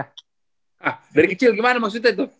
hah dari kecil gimana maksudnya itu